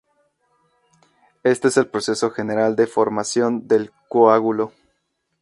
Este es el proceso general de formación del coágulo.